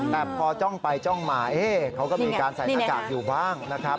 แต่พอจ้องไปจ้องมาเขาก็มีการใส่หน้ากากอยู่บ้างนะครับ